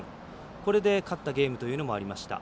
これで勝ったゲームもありました。